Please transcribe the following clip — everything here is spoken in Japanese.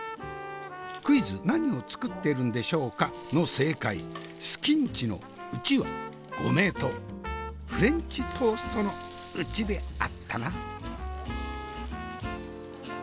「クイズ何を作ってるんでしょうか？」の正解すきンチの「ンチ」はご名答フレンチトーストの「ンチ」であったな。